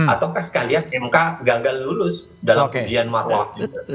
ataukah sekalian mk gagal lulus dalam ujian marwah